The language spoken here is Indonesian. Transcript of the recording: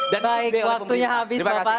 baik waktunya habis bapak